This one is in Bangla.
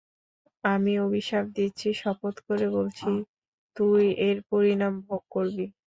আমি অভিশাপ দিচ্ছি, শপথ করে বলছি, তুই এর পরিণাম ভোগ করবি।